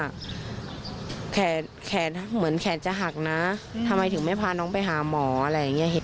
อันเนี่ยร่วมกันทำร้ายอะไรอย่างเนี่ย